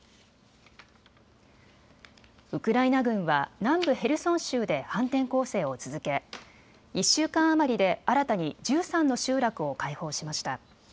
ウクライナ軍は南部ヘルソン州で反転攻勢を続け、１週間余りで新たに１３の集落を解放しました。